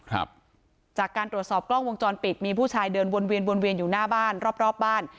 ตรวจสอบกล้องวงจรปิดมีผู้ชายเดินวนเวียนอยู่หน้าบ้านรอบบ้าน